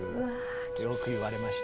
よく言われました。